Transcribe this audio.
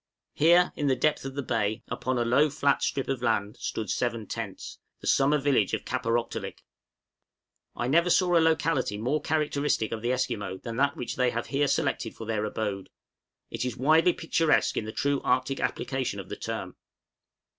Here, in the depth of the bay, upon a low flat strip of land, stood seven tents, the summer village of Kaparōktolik. I never saw a locality more characteristic of the Esquimaux than that which they have here selected for their abode; it is widely picturesque in the true Arctic application of the term.